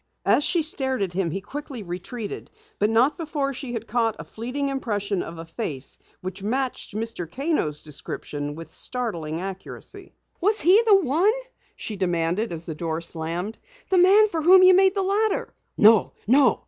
As she stared at him he quickly retreated, but not before she had caught a fleeting impression of a face which matched Mr. Kano's description with startling accuracy. "Was he the one?" she demanded as the door slammed. "The man for whom you made the ladder?" "No, no!"